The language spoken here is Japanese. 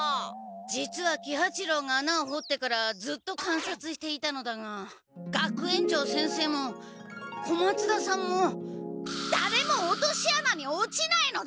実は喜八郎が穴をほってからずっとかんさつしていたのだが学園長先生も小松田さんもだれも落とし穴に落ちないのだ！